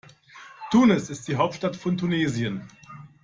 Tunis ist die Hauptstadt von Tunesien.